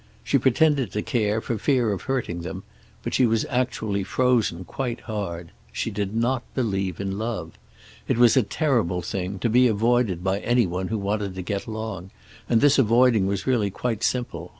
She pretended to care for fear of hurting them, but she was actually frozen quite hard. She did not believe in love. It was a terrible thing, to be avoided by any one who wanted to get along, and this avoiding was really quite simple.